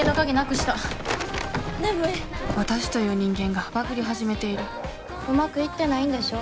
私という人間がバグり始めているうまくいってないんでしょ？